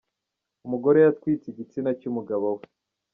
Umugore yatwitse igitsina cy’umugabo we